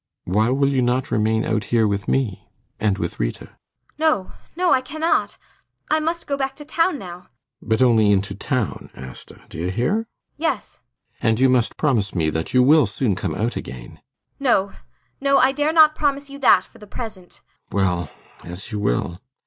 Why will you not remain out here with me and with Rita? ASTA. [Uneasily.] No, no, I cannot. I must go back to town now. ALLMERS. But only in to town, Asta. Do you hear! ASTA. Yes. ALLMERS. And you must promise me that you will soon come out again. ASTA. [Quickly.] No, no, I dare not promise you that, for the present. ALLMERS. Well as you will.